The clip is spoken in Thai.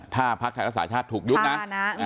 ถ้าพักไทยรักษาชาติถูกยุบนะ